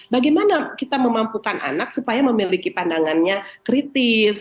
bagaimana kita memampukan anak supaya memiliki pandangannya kritis